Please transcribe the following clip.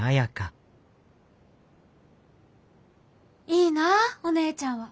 「いいなぁお姉ちゃんは。